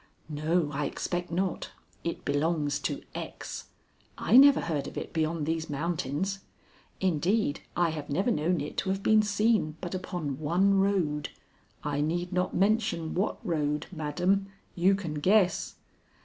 "No, I expect not. It belongs to X. I never heard of it beyond these mountains. Indeed, I have never known it to have been seen but upon one road. I need not mention what road, madam. You can guess."